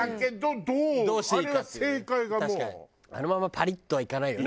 あのままパリッとはいかないよね